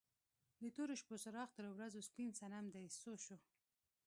د تورو شپو څراغ تر ورځو سپین صنم دې څه شو؟